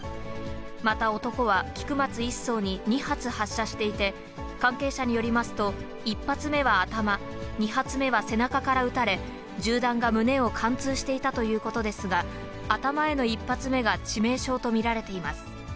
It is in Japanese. また男は、菊松１曹に２発発射していて、関係者によりますと、１発目は頭、２発目は背中から撃たれ、銃弾が胸を貫通していたということですが、頭への１発目が致命傷と見られています。